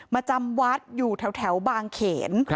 จำวัดอยู่แถวบางเขน